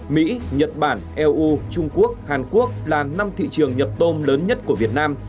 mỹ nhật bản eu trung quốc hàn quốc là năm thị trường nhập tôm lớn nhất của việt nam